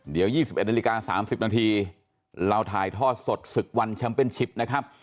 เดี๋ยวยี่สิบเอ็ดนาฬิกาสามสิบนาทีเราถ่ายทอดสดศึกวันชัมเปญชิปนะครับ